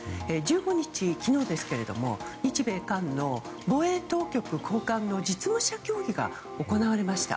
１５日、昨日日米韓の防衛当局高官の実務者協議が行われました。